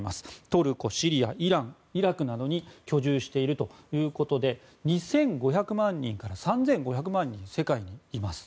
トルコ、シリアイラン、イラクなどに居住しているということで２５００万人から３５００万人世界にいます。